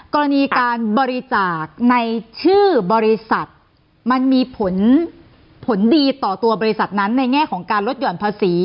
กรณีการบริจาคในชื่อบริษัทมันมีผลดีต่อตัวบริษัทนั้นในแง่ของการลดหย่อนภาษี